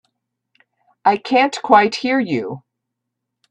I can't quite hear you.